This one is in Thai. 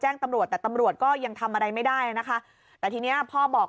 ตำรวจแต่ตำรวจก็ยังทำอะไรไม่ได้นะคะแต่ทีนี้พ่อบอก